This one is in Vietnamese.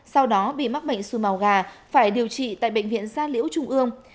sau đó bị mắc bệnh su màu gà phải điều trị tại bệnh viện gia liễu trung ương